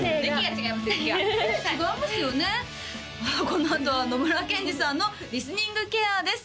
このあとは野村ケンジさんのリスニングケアです